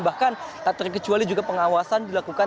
bahkan tak terkecuali juga pengawasan dilakukan